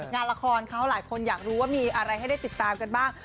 งานละครเขาหลายคนอยากรู้ว่ามีอะไรให้ได้ติดตามกันบ้าง